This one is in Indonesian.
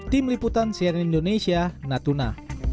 tim liputan cnn indonesia natuna